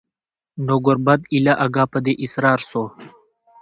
نو ګوربت ایله آګاه په دې اسرار سو